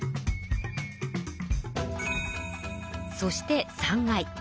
そして３階。